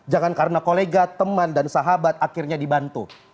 jangan karena kolega teman dan sahabat akhirnya dibantu